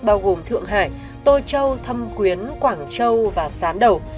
bao gồm thượng hải tô châu thâm quyến quảng châu và sán đầu